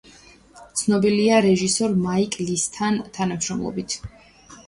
ცნობილია რეჟისორ მაიკ ლისთან თანამშრომლობით.